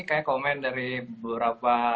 kayak komen dari beberapa